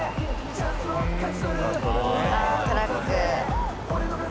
あトラック。